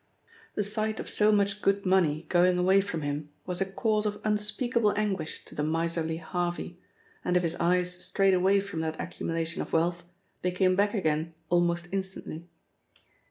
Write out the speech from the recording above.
The sight of so much good money going away from him was a cause of unspeakable anguish to the miserly Harvey, and if his eyes strayed away from that accumulation of wealth, they came back again almost instantly.